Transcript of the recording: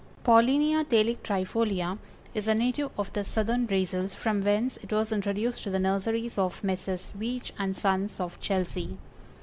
Paulinia Thalictrifolia is a native of the southern Brazils, from whence it was introduced to the nurseries of Messrs. Veitch & Sons of Chelsea.